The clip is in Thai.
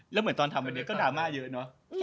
แล้วเหมือนตอนทำวันนี้ก็ดราม่าเยอะเนอะ